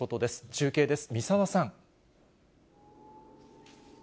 中継です、三沢さん。